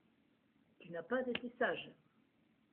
Tu n’as pas été sage!...